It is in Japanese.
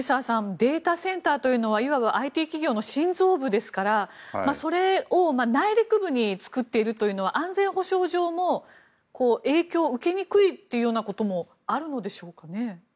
データセンターというのはいわばＩＴ企業の心臓部ですからそれを内陸部に作っているというのは安全保障上も影響を受けにくいということもあるのでしょうかね。